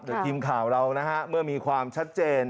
เดี๋ยวกินข่าวเราเมื่อมีความชัดเจน